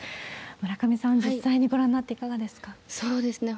村上さん、実際にご覧になって、そうですね。